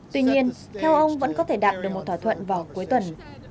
tuy nhiên theo ông vẫn có thể đạt được một thỏa thuận vào cuối tuần